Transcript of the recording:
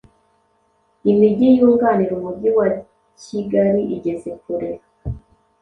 imigi yunganira Umujyi wa Kigali igeze kure